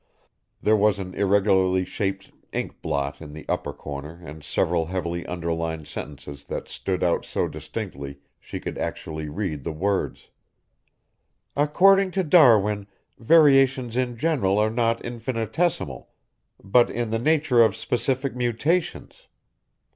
There was an irregularly shaped inkblot in the upper corner and several heavily underlined sentences that stood out so distinctly she could actually read the words. "According to Darwin, variations in general are not infinitesimal, but in the nature of specific mutations.